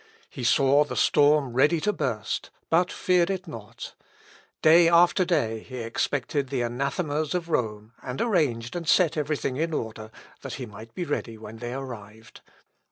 He saw the storm ready to burst, but feared it not. Day after day he expected the anathemas of Rome, and arranged and set every thing in order, that he might be ready when they arrived.